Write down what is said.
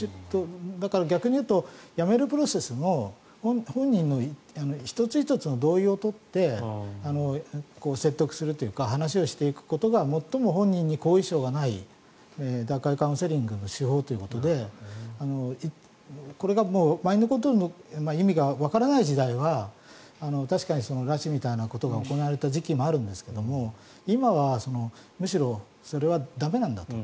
だから、逆に言うとやめるプロセスも本人の１つ１つの同意を取って説得するというか話をしていくことがもっとも本人に後遺症がない脱会カウンセリングの手法ということでこれが、マインドコントロールの意味がわからない時代は確かに拉致みたいなことが行われたこともあったんですが今、むしろそれは駄目なんだと。